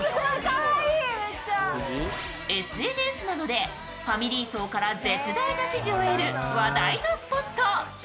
ＳＮＳなどでファミリー層から絶大な支持をえる話題のスポット。